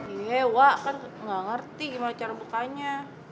ya wak kan nggak ngerti gimana cara bukanya